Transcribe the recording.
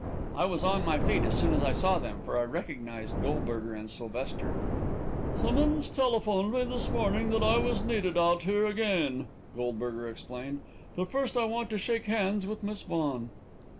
I was on my feet as soon as I saw them, for I recognised Goldberger and Sylvester. "Simmonds telephoned me this morning that I was needed out here again," Goldberger explained. "But first I want to shake hands with Miss Vaughan."